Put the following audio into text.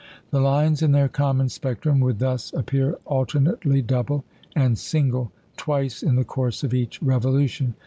The lines in their common spectrum would thus appear alternately double and single twice in the course of each revolution.